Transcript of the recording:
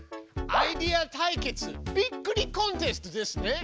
「アイデア対決びっくりコンテスト」ですね。